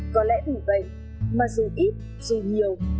có lẽ vì vậy mà dù ít dù nhiều